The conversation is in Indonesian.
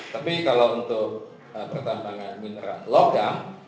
tapi kalau untuk pertambangan mineral logam